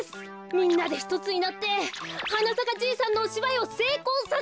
みんなでひとつになって「はなさかじいさん」のおしばいをせいこうさせましょう！